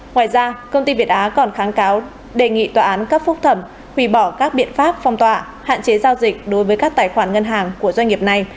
ngoài ra công ty việt á còn kháng cáo đề nghị tòa án cấp phúc thẩm hủy bỏ các biện pháp phong tỏa hạn chế giao dịch đối với các tài khoản ngân hàng của doanh nghiệp này